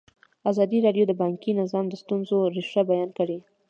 ازادي راډیو د بانکي نظام د ستونزو رېښه بیان کړې.